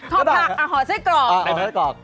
หักเผ่อกเผื้อใส้กรอก